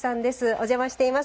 お邪魔しています。